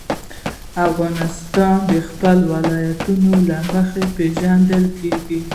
افغانستان د خپلو ولایتونو له مخې پېژندل کېږي.